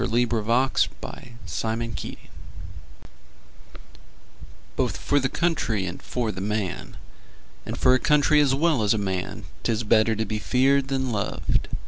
Anthony Findlay Both for the country and for the man, And for a country as well as a man, 'Tis better to be feared than loved.